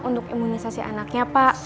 untuk imunisasi anaknya pak